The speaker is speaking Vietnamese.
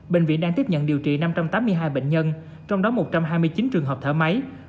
bệnh viện đang tiếp nhận điều trị năm trăm tám mươi hai bệnh nhân trong đó một trăm hai mươi chín trường hợp thở máy